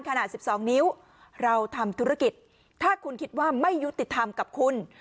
ขนาด๑๒นิ้วเราทำธุรกิจถ้าคุณคิดว่าไม่ยุติธรรมกับคุณ